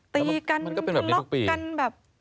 ตีกันล๊อคกันแบบ